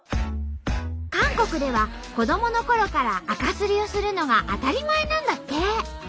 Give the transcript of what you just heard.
韓国では子どものころからあかすりをするのが当たり前なんだって。